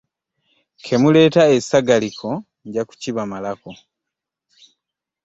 Ke muleeta essagaliko nja kukibamalako.